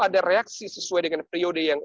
ada reaksi sesuai dengan periode yang